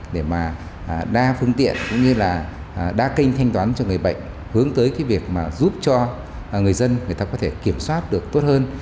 để mà đa phương tiện cũng như là đa kênh thanh toán cho người bệnh hướng tới cái việc mà giúp cho người dân người ta có thể kiểm soát được tốt hơn